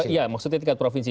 iya maksudnya tingkat provinsi